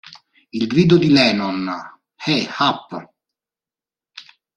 Il grido di Lennon "Eh up!